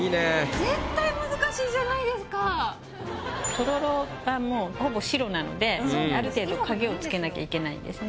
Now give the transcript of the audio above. とろろがもうほぼ白なのである程度影をつけなきゃいけないんですね。